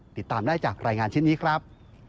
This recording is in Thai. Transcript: ติดตามได้จากรายงานชิ้นนี้ครับ